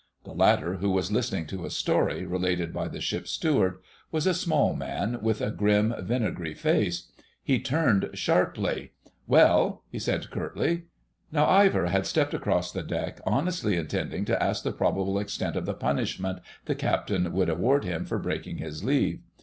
The latter, who was listening to a story related by the Ship's Steward, was a small man, with a grim vinegary face. He turned sharply— [#] Master at Arms. "Well?" he said curtly. Now Ivor had stepped across the deck, honestly intending to ask the probable extent of the punishment the Captain would award him for breaking his leave.